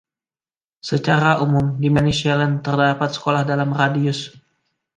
Secara umum, di Manicaland, terdapat sekolah dalam radius.